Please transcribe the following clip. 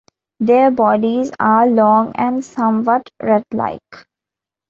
Their bodies are long and somewhat rat-like.